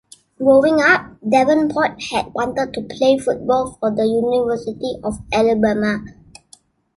Growing up, Davenport had wanted to play football for the University of Alabama.